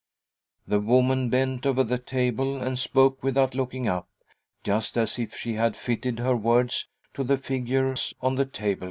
The woman bent over the table and spoke with out looking up, just as if she had fitted her words to the figures on the tablecloth.